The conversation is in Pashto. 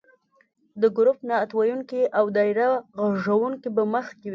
د ګروپ نعت ویونکي او دایره غږونکې به مخکې وي.